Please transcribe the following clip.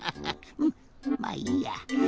フッまあいいや。